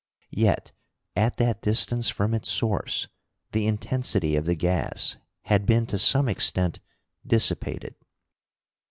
Yet, at that distance from its source, the intensity of the gas had been to some extent dissipated.